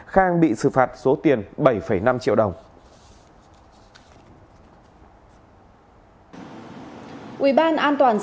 khang bị xử phạt số tiền bảy năm triệu đồng